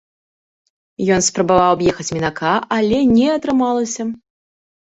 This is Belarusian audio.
Ён спрабаваў аб'ехаць мінака, але не атрымалася.